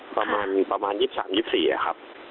ประมาณ๒๓๒๔ครับ